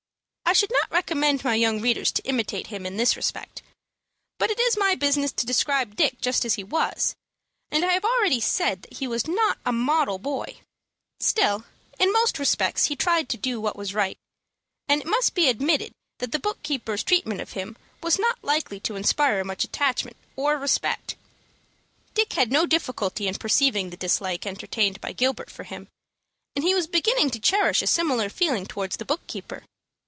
I should not recommend my young readers to imitate him in this respect. But it is my business to describe Dick just as he was, and I have already said that he was not a model boy. Still in most respects he tried to do what was right, and it must be admitted that the book keeper's treatment of him was not likely to inspire much attachment or respect. Dick had no difficulty in perceiving the dislike entertained by Gilbert for him, and he was beginning to cherish a similar feeling towards the book keeper.